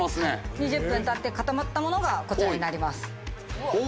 ２０分たって固まったものがこちらになります。